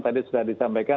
tadi sudah disampaikan